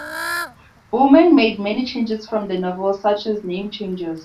Boehm made many changes from the novel such as name changes.